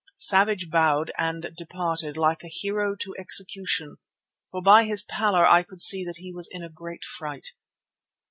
Savage bowed and departed, like a hero to execution, for by his pallor I could see that he was in a great fright.